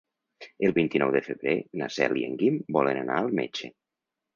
El vint-i-nou de febrer na Cel i en Guim volen anar al metge.